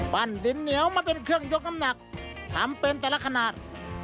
ดินเหนียวมาเป็นเครื่องยกน้ำหนักทำเป็นแต่ละขนาด